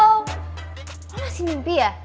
lo masih mimpi ya